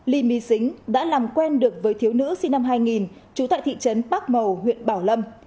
lý my xính đã làm quen được với thiếu nữ sinh năm hai nghìn trú tại thị trấn bắc mầu huyện bảo lâm